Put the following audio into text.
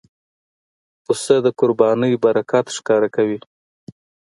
پسه د قربانۍ برکت ښکاره کوي.